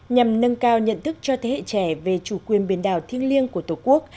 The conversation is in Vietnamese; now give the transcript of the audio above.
nhằm nâng cao nhận thức cho thế hệ trẻ về chủ quyền biển đảo thiêng liêng của tổ quốc